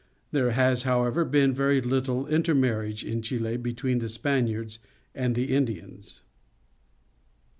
There ha.s, however, been very httle intermarriage in Chile between the Spaniards and the Indians.